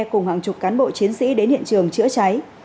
cùng hàng chục cán bộ chiến sĩ đến hiện trường chữa cháy